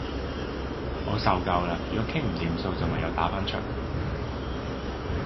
我受夠喇！如果傾唔掂數，就唯有打返場